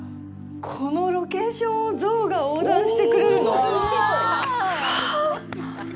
このロケーションをゾウが横断してくれるの？